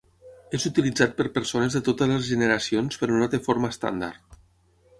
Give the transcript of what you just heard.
És utilitzat per persones de totes les generacions però no té forma estàndard.